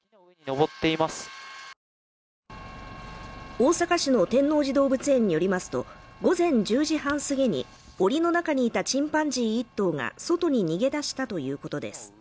大阪市の天王寺動物園によりますと午前１０時半すぎにおりの中にいたチンパンジー１頭が外に逃げ出したということです